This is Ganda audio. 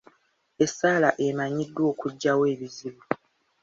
Essaala emanyiddwa okugyawo ebizubu.